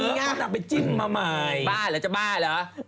นั่งไปจิ้มมาใหม่